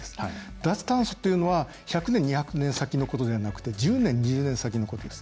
脱炭素というのは１００年、２００年先のことではなくて１０年、２０年先のことです。